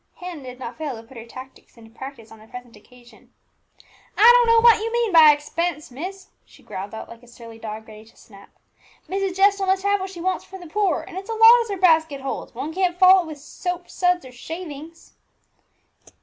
Hannah did not fail to put her tactics into practice on the present occasion. "I don't know what you mean by expense, miss," she growled out, like a surly dog ready to snap; "Mrs. Jessel must have what she wants for the poor, and it's a lot as her basket holds; one can't fill it with soap suds or shavings!"